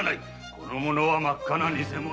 この者は真っ赤な偽者。